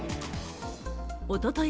おととい